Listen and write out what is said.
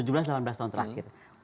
undang undang telah memerintahkan presiden